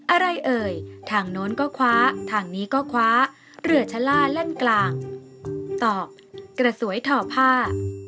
เอ่ยทางโน้นก็คว้าทางนี้ก็คว้าเรือชะล่าแล่นกลางตอกกระสวยทอผ้า